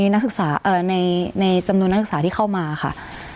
ในจำนวนนักศึกษาที่เข้ามาค่ะ